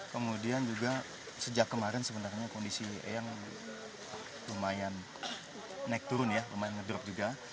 kemudian juga sejak kemarin sebenarnya kondisi eyang lumayan naik turun ya lumayan ngedrop juga